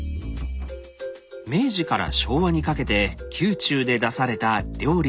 明治から昭和にかけて宮中で出された料理のメニューカード。